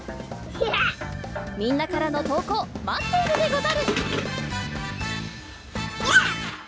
みんなからのとうこうまっているでござる！